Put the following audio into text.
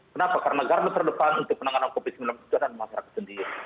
kenapa karena garda terdepan untuk penanganan covid sembilan belas itu adalah masyarakat sendiri